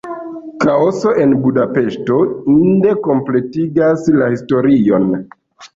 Kaoso en Budapeŝto inde kompletigas la historion.